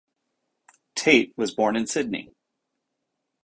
Tate was born in Sydney.